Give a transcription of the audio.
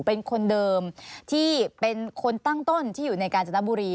เป็นคนเดิมที่เป็นคนตั้งต้นที่อยู่ในกาญจนบุรี